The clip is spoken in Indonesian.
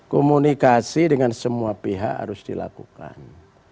komunikasi dengan semua pihak harus dilakukan